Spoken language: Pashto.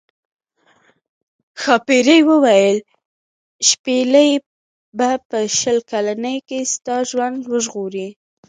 ښاپیرۍ وویل شپیلۍ به په شل کلنۍ کې ستا ژوند وژغوري.